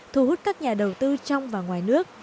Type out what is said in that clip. thu hút các nhà đầu tư trong và ngoài nước